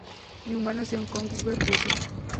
Neumann nació en Königsberg, Prusia.